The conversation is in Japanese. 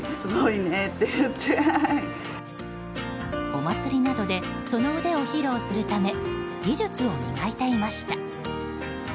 お祭りなどでその腕を披露するため技術を磨いていました。